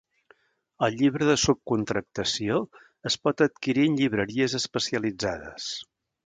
El Llibre de subcontractació es pot adquirir en llibreries especialitzades.